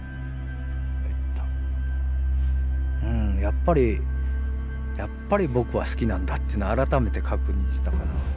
やっぱりやっぱり僕は好きなんだってのを改めて確認したかな。